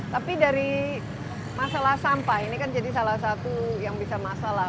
tapi dari masalah sampah ini kan jadi salah satu yang bisa masalah